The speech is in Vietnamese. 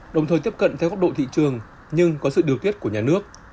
đồng thời tiếp cận theo góc độ thị trường nhưng có sự điều tiết của nhà nước